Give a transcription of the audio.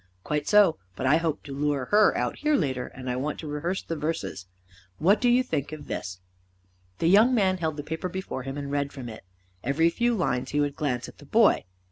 "Quite so. But I hope to lure her out here later, and I want to rehearse the verses. What do you think of this?" The young man held the paper before him, and read from it. Every few lines he would glance at the boy.